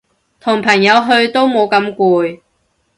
同朋友去都冇咁攰